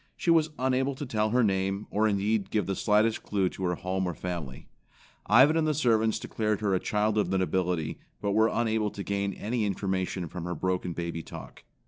She was unable to tell her name, or indeed give the slightest clue to her home or family. Ivan and the servants declared her a child of the nobility, but were unable to gain any information from her broken baby talk.